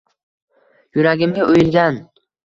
Yuragimga oʼyilgan.